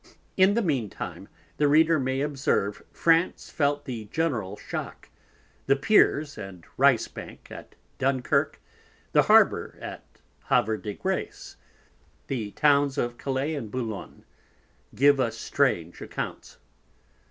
In the mean time the Reader may observe, France felt the general shock, the Peers, and Ricebank at Dunkirk, the Harbour at Haver de Grace, the Towns of Calais and Bulloign give us strange Accounts.